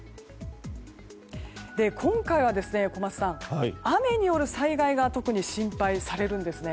今回は、雨による災害が特に心配されるんですね。